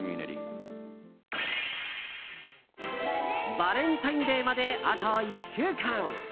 バレンタインデーまであと１週間！